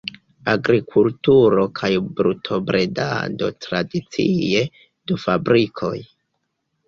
Agrikulturo kaj brutobredado tradicie, du fabrikoj.